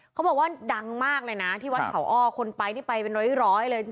เขาบอกว่าดังมากเลยนะที่วัดเขาอ้อคนไปนี่ไปเป็นร้อยเลย